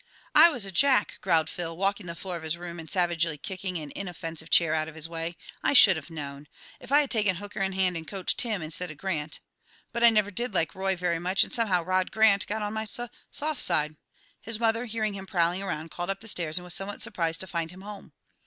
"I was a Jack!" growled Phil, walking the floor of his room and savagely kicking an inoffensive chair out of his way. "I should have known. If I had taken Hooker in hand and coached him, instead of Grant But I never did like Roy very much, and somehow Rod Grant got on my sus soft side." His mother, hearing him prowling around, called up the stairs and was somewhat surprised to find him home.